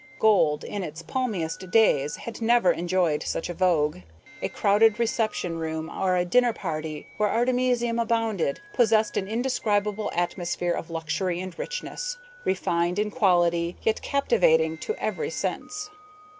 Gold in its palmiest days had never enjoyed such a vogue. A crowded reception room or a dinner party where artemisium abounded possessed an indescribable atmosphere of luxury and richness, refined in quality, yet captivating to every sense.